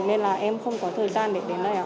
nên là em không có thời gian để đến đây